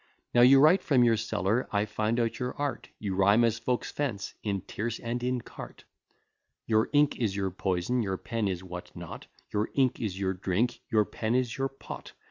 Now you write from your cellar, I find out your art, You rhyme as folks fence, in tierce and in cart: Your ink is your poison, your pen is what not; Your ink is your drink, your pen is your pot.